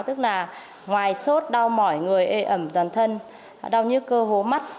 tức là ngoài suốt đau mỏi người ê ẩm toàn thân đau như cơ hố mắt